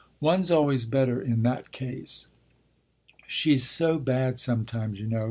"One's always better in that case." "She's so bad sometimes, you know!"